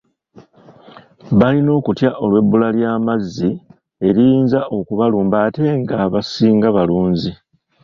Balina okutya olw’ebbula lya mazzi eriyinza okubalumba ate ng’abasinga balunzi.